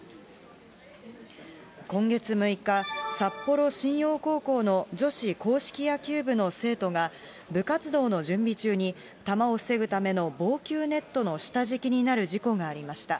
今月６日、札幌しんよう高校の女子硬式野球部の生徒が、部活動の準備中に、球を防ぐための防球ネットの下敷きになる事故がありました。